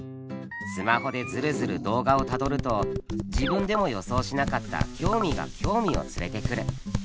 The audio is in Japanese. スマホでヅルヅル動画をたどると自分でも予想しなかった興味が興味を連れてくる。